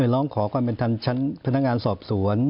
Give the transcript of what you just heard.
ร้องขอความเป็นธรรมชั้นพนักงานสอบสวน